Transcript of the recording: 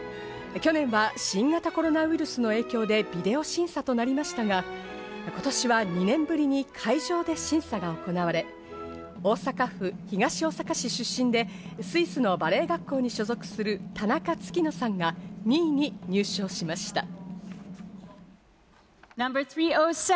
去年は新型コロナウイルスへの影響でビデオ審査となりましたが、今年は２年ぶりに会場で審査が行われ、大阪府東大阪市出身で、スイスのバレエ学校に所属する田中月乃さんが２位に入賞しました。